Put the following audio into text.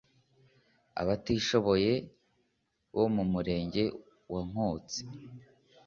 abatishoboye bo mu Murenge wa Nkotsi